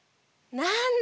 なんだ。